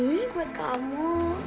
ini buat kamu